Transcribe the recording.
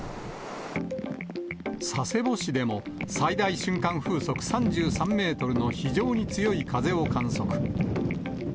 佐世保市でも、最大瞬間風速３３メートルの非常に強い風を観測。